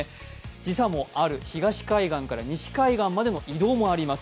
時差もある東海岸から西海岸への移動もあります。